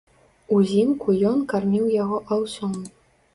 Узімку ён карміў яго аўсом.